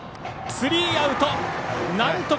スリーアウト。